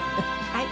はい。